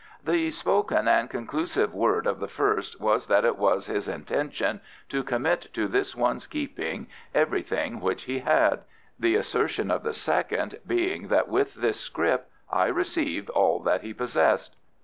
"The spoken and conclusive word of the first was that it was his intention to commit to this one's keeping everything which he had; the assertion of the second being that with this scrip I received all that he possessed."